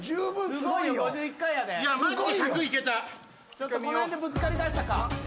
ちょっとこの辺でぶつかりだしたか。